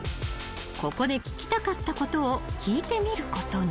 ［ここで聞きたかったことを聞いてみることに］